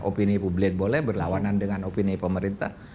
opini publik boleh berlawanan dengan opini pemerintah